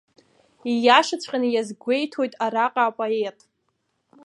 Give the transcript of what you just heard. Ииашаҵәҟьаны иазгәеиҭоит араҟа апоет.